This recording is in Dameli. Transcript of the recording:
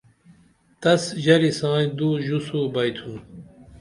تس ژری سائیں دو ژوسو بیئتُھن